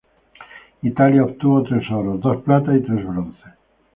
Italia obtuvo tres oros, dos platas y tres bronces.